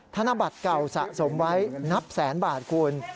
ธนบัตรเก่าสะสมไว้นับแสนบาทคุณ